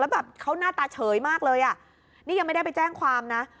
แบบเขาหน้าตาเฉยมากเลยอ่ะนี่ยังไม่ได้ไปแจ้งความนะ